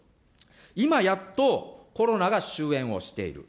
今やっと、コロナが終えんをしている。